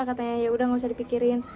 katanya yaudah gak usah dipikirin